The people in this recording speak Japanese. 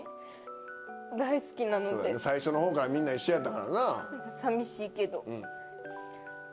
最初の方からみんな一緒やったからな。